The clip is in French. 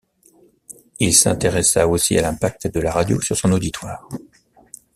Il s'intéressa aussi à l'impact de la radio sur son auditoire.